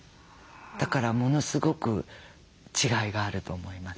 だからものすごく違いがあると思います。